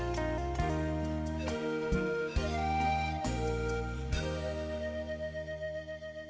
สองค่ะก็ความรักไปด้วย